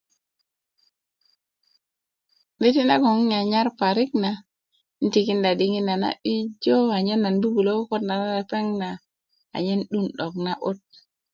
'deti' nagon 'n nyanar parik na 'n tikinda diŋi na a na 'bijo anyen nan bubulo kukunda na lepeŋ na anyen 'duun 'dok na'but